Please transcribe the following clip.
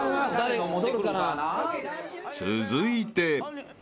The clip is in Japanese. ［続いて］